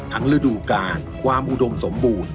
ฤดูกาลความอุดมสมบูรณ์